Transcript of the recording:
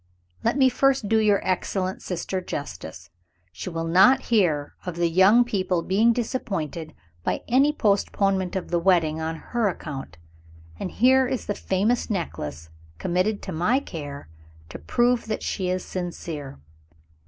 Let me first do your excellent sister justice. She will not hear of the young people being disappointed by any postponement of the wedding, on her account. And here is the famous necklace, committed to my care, to prove that she is sincere."